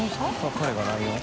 彼がライオン？